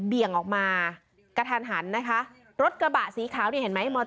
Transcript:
เบี่ยงออกมากระทันหันนะคะรถกระบะสีขาวเนี่ยเห็นไหมมอ